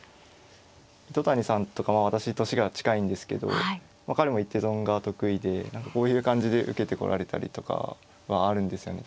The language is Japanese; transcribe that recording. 糸谷さんとか私年が近いんですけど彼も一手損が得意で何かこういう感じで受けてこられたりとかはあるんですよね